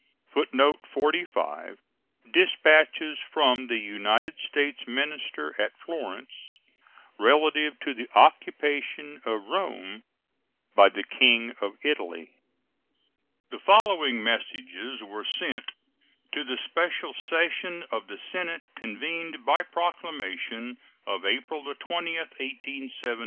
[Footnote 45: Dispatches from the United States minister at Florence relative to the occupation of Rome by the King of Italy.] [The following messages were sent to the special session of the Senate convened by proclamation (see pp. 133 134) of April 20, 1871.